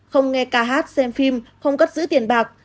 không nghe ca hát xem phim không cất giữ tiền bạc